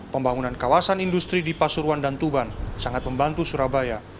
pembangunan kawasan industri di pasuruan dan tuban sangat membantu surabaya